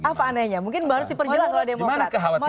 apa anehnya mungkin baru harus diperjelas oleh demokrat